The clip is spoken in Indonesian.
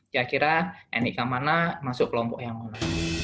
kira kira nik mana masuk kelompok yang mana